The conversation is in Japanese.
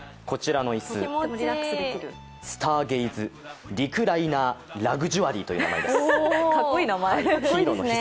こちらの椅子、スターゲイズリクライナーラグジュアリーという名前です。